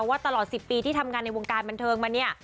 ว่าตลอด๑๐ปีที่ทำงานในวงการบันเทิงมาเนี่ย